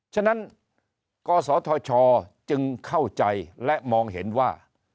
ฉะนั้นกศธชจึงเข้าใจและมองเห็นว่า